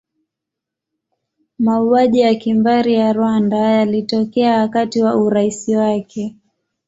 Mauaji ya kimbari ya Rwanda yalitokea wakati wa urais wake.